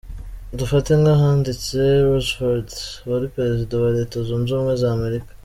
Dufate nk’ahanditse Roosevert, wari Prezida wa Leta Zunze Ubumwe Za Amerika,